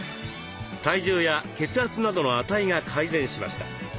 体重や血圧などの値が改善しました。